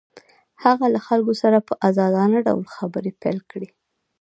هغه له خلکو سره په ازادانه ډول خبرې پيل کړې.